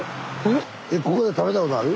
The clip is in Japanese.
ここで食べたことある？